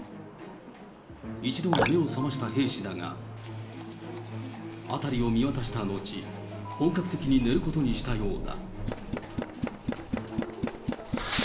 一度は目を覚ました兵士だが、辺りを見渡したのち、本格的に寝ることにしたようだ。